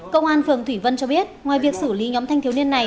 công an phường thủy vân cho biết ngoài việc xử lý nhóm thanh thiếu niên này